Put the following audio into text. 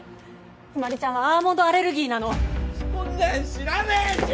日葵ちゃんはアーモンドアレルギーなのそんなん知らねえし！